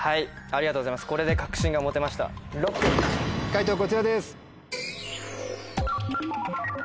解答こちらです。